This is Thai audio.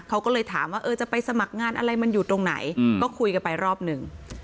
เขาก็เลยถามว่าเออจะไปสมัครงานอะไรมันอยู่ตรงไหนก็คุยกันไปรอบหนึ่ง